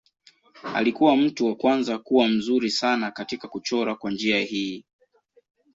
Alikuwa mtu wa kwanza kuwa mzuri sana katika kuchora kwa njia hii.